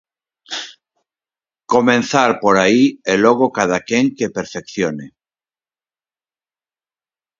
Comezar por aí e logo cada quen que perfeccione.